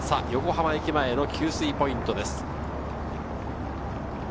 横浜駅前の給水ポイントです。